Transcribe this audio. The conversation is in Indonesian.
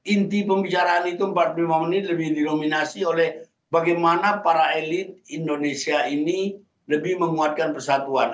inti pembicaraan itu empat puluh lima menit lebih didominasi oleh bagaimana para elit indonesia ini lebih menguatkan persatuan